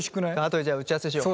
後でじゃあ打ち合わせしよう。